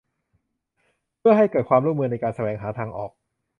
เพื่อให้เกิดความร่วมมือในการแสวงหาทางออก